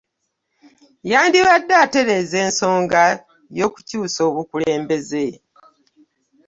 Yandibadde atereeza ensonga y'okukyusa obukulembeze.